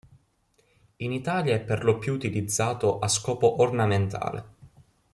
In Italia è perlopiù utilizzato a scopo ornamentale.